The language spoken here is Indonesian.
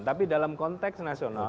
tapi dalam konteks nasional